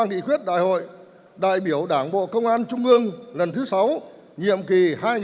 đại hội đại biểu đảng bộ công an trung ương lần thứ sáu nhiệm kỳ hai nghìn một mươi năm hai nghìn hai mươi